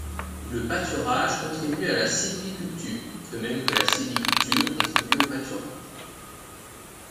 Le pâturage contribue à la sylviculture, de même que la sylviculture contribue au pâturage.